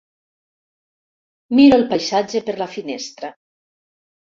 Miro el paisatge per la finestra.